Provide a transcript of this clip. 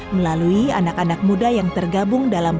melalui anak anak muda yang tergabung dalam